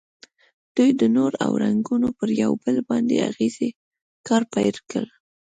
دوی د نور او رنګونو پر یو بل باندې اغیزې کار پیل کړ.